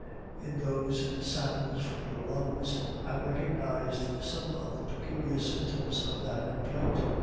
In those sounds from your lungs I recognized some of the peculiar symptoms of that complaint.